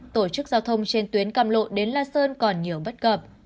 tổ chức giao thông trên tuyến cam lộ đến la sơn còn nhiều bất cập